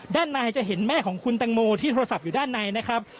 ด้านในจะเห็นแม่ของคุณตังโมที่โทรศัพท์อยู่ด้านในนะครับ